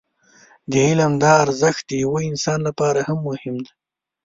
د علم دا ارزښت د يوه انسان لپاره هم مهم دی.